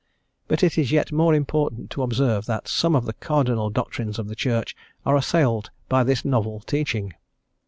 But it is yet more important to observe that some of the cardinal doctrines of the Church are assailed by this novel teaching.